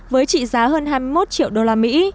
với trị giá hơn hai mươi một triệu đô la mỹ